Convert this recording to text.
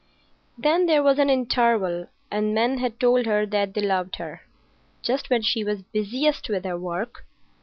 Then there was an interval, and men had told her that they loved her—just when she was busiest with her work.